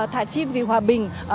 thả chim vì hòa bình